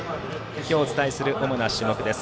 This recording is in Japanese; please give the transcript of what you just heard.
今日お伝えする主な種目です。